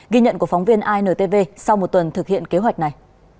ghi nhận của phóng viên intv sau một tuần thực hiện kế hoạch này